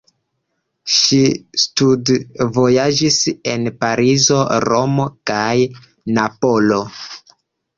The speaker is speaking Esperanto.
Ŝi studvojaĝis en Parizo, Romo kaj Napolo.